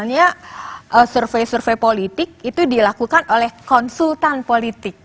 misalnya survei survei politik itu dilakukan oleh konsultan politik